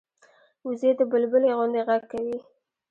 وزې د بلبلي غوندې غږ کوي